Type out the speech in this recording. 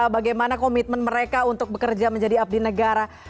bagaimana komitmen mereka untuk bekerja menjadi abdi negara